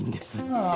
ああ。